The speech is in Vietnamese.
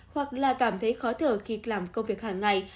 hoặc là cảm thấy khó thở khi làm công việc hàng ngày